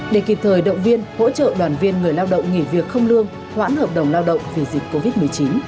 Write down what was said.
để kịp thời động viên hỗ trợ đoàn viên người lao động nghỉ việc không lương hoãn hợp đồng lao động vì dịch covid một mươi chín